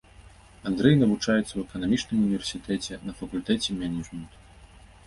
Андрэй навучаецца ў эканамічным універсітэце на факультэце менеджменту.